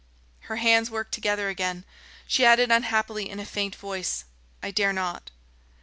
Her hands worked together again. She added unhappily, in a faint voice: "I dare not."